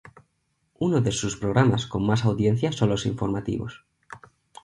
Uno de sus programas con más audiencia son los informativos.